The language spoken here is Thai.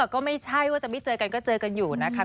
ก็ไม่ใช่ว่าจะไม่เจอกันก็เจอกันอยู่นะคะ